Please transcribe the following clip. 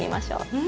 うん。